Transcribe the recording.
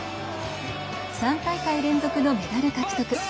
３大会連続のメダル獲得。